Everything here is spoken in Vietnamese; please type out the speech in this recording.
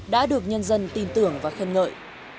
đã được nhân dân tin tưởng và khân ngợi